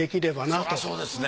そらそうですね。